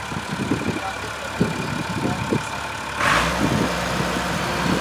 وہ طاقت رکھتے ہوئے بھی خوف کے سائے میں جیتے ہیں۔